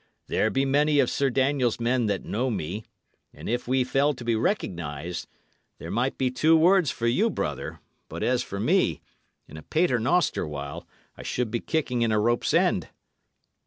There be many of Sir Daniel's men that know me; and if we fell to be recognised, there might be two words for you, brother, but as for me, in a paternoster while, I should be kicking in a rope's end."